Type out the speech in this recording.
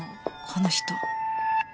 この人